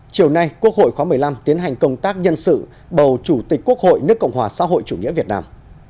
chiều nay quốc hội khóa một mươi năm tiến hành công tác nhân sự bầu chủ tịch quốc hội nước cộng hòa xã hội chủ nghĩa việt nam